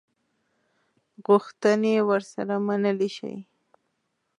غوښتني ورسره ومنلي شي.